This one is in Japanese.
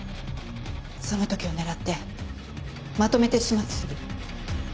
その時を狙ってまとめて始末する。